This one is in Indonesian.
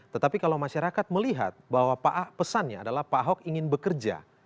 tetapi kalau masyarakat melihat bahwa pesannya adalah pak ahok ingin bekerja